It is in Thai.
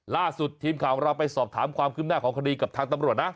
ล่าสุดทีมข่าวของเราไปสอบถามความคืบหน้าของคดีกับทางตำรวจนะ